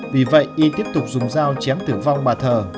vì vậy y tiếp tục dùng dao chém tử vong bà thờ